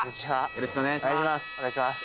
よろしくお願いします